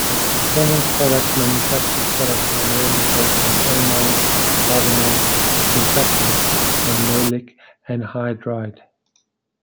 Performance Products manufactures products primarily based on amines, carbonates, surfactants and maleic anhydride.